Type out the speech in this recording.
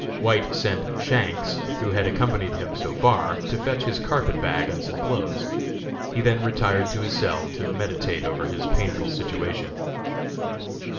White sent Shanks, who had accompanied him so far, to fetch his carpet bag and some clothes. He then retired to his cell to meditate over his painful situation.